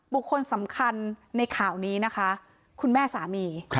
บุคคลสำคัญในข่าวนี้นะคะคุณแม่สามี